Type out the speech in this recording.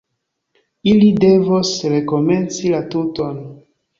Ili devos rekomenci la tuton.